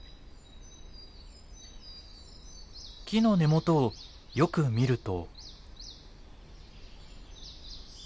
木の根元をよく見ると。